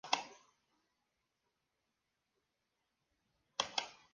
Los cónsules, alertados por el Senescal, ponen sus ciudades en estado de defensa.